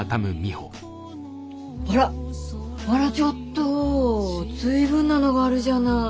あらあらちょっと随分なのがあるじゃない。